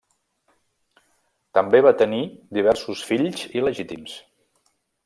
També va tenir diversos fills il·legítims.